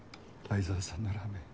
愛沢さんのラーメン